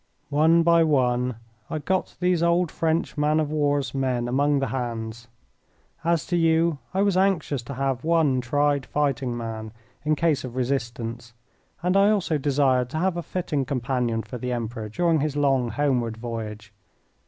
One by one I got these old French man of war's men among the hands. As to you, I was anxious to have one tried fighting man in case of resistance, and I also desired to have a fitting companion for the Emperor during his long homeward voyage.